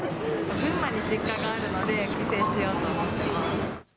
群馬に実家があるので、帰省しようと思ってます。